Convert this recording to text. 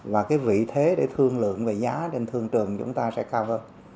và cái vị thế để thương lượng về giá trên thương trường chúng ta sẽ cao hơn